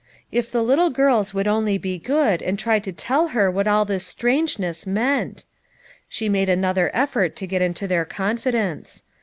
If the little girls would only be good and try to tell her what all this strangeness meant ! She made another effort to get into their confidence.